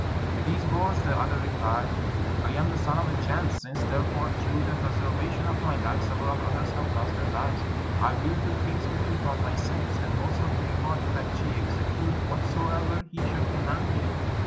To these words the other replied, "I am the Son of a Chan. Since, therefore, through the preservation of my life, several others have lost their lives, I will, to cleanse me from my sins, and also to reward the Baktschi, execute whatsoever he shall command me."